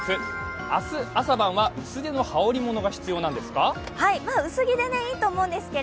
明日朝晩は薄手の羽織り物が必要なんですか？